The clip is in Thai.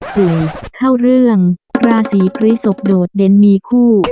หึ่ยเข้าเรื่องราสีพริษกโดดเด่นมีคู่